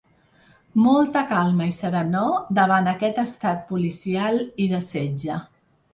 Molta calma i serenor davant aquest estat policial i de setge.